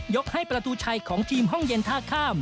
ให้ประตูชัยของทีมห้องเย็นท่าข้าม